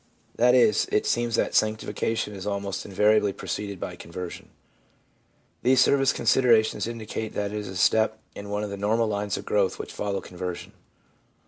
That is, it seems that sanctification is almost invariably preceded by conversion. These surface considerations indicate that it is a step in one of the normal lines of growth which follow conversion.